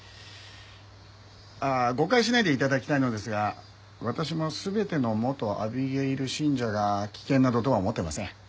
ああ誤解しないで頂きたいのですが私も全ての元アビゲイル信者が危険などとは思ってません。